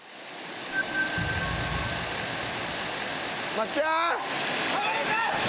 まっちゃん。